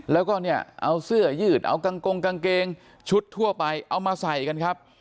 แล้วก็เนี่ยเอาเสื้อยืดเอากางกงกางเกงชุดทั่วไปเอามาใส่กันครับ